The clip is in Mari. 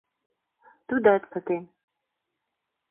Тудат пытен.